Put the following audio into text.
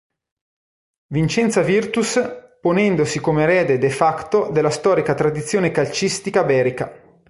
Vicenza Virtus", ponendosi come erede "de facto" della storica tradizione calcistica berica.